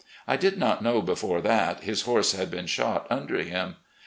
I did not know before that his horse had been shot under him.